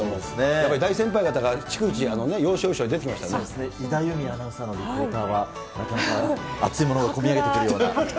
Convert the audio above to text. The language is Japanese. やっぱり大先輩方が逐一、井田由美アナウンサーのリポーターは、なかなか熱いものが込み上げてくるような。